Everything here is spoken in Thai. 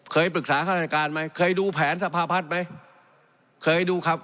เคยปรึกษาข้าราชการไหมเคยดูแผนสภาพัฒน์ไหม